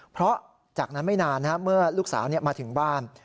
เพราะจากนั้นไม่นานเมื่อลูกสาวมาถึงบ้าน